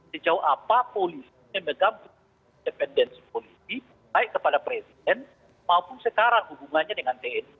sejauh apa polisi memegang independensi polisi baik kepada presiden maupun sekarang hubungannya dengan tni